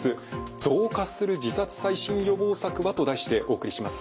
増加する自殺最新予防策は？と題してお送りします。